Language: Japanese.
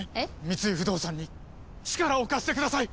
三井不動産に力を貸してください！